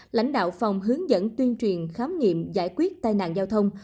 lãnh đạo phòng hướng dẫn tuyên truyền khám nghiệm giải quyết tai nạn giao thông